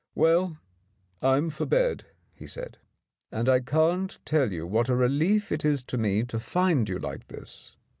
"Well, I'm for bed," he said. "And I can't tell you what a relief it is to me to find you like this.